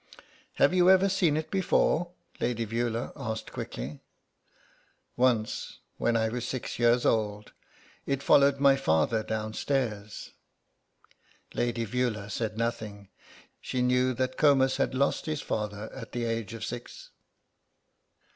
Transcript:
"Have you ever seen it before?" Lady Veula asked quickly. "Once, when I was six years old. It followed my father downstairs." Lady Veula said nothing. She knew that Comus had lost his father at the age of six.